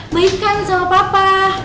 baikkan sama papa